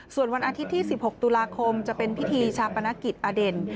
ส่วนวันอาทิตย์ที่๑๖ตุลาคมจะเป็นพิธีชาปนกิจอเด่น